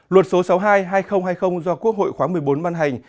luật số sáu mươi hai hai nghìn hai mươi do quốc hội khóa một mươi bốn ban hành